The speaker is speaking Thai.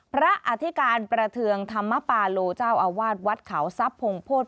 อธิการประเทืองธรรมปาโลเจ้าอาวาสวัดเขาทรัพย์พงโพธิ